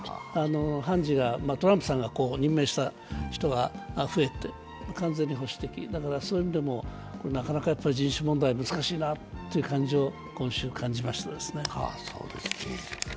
判事が、トランプさんが任命した人が増えて完全に保守的、だからそういう意味でもなかなか人種問題、難しいなっていう感じを今週、感じましてですね。